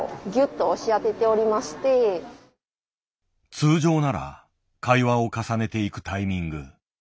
通常なら会話を重ねていくタイミング。